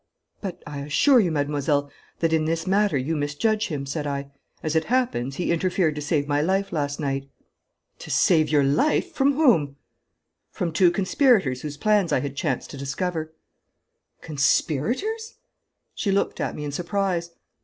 'But I assure you, mademoiselle, that in this matter you misjudge him,' said I. 'As it happens, he interfered to save my life last night.' 'To save your life! From whom?' 'From two conspirators whose plans I had chanced to discover.' 'Conspirators!' She looked at me in surprise.